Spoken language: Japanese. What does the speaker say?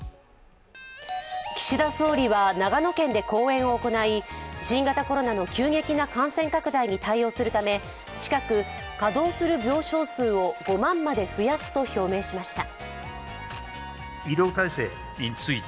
岸田総理は長野県で講演を行い、新型コロナの急激な感染拡大に対応するため近く稼働する病床数を５万まで増やすと表明しました。